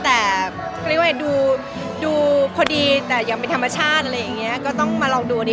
แต่เขาเรียกว่าดูพอดีแต่อย่างเป็นธรรมชาติอะไรอย่างนี้ก็ต้องมาลองดูอันนี้